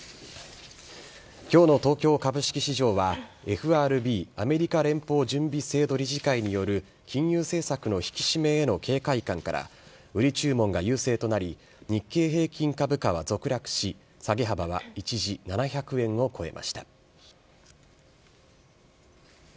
今日の東京株式市場はＦＲＢ＝アメリカ連邦準備制度理事会による金融政策の引き締めへの警戒感から売り注文が優勢となり日経平均株価は続落し下げ幅は一時７００円を超えました。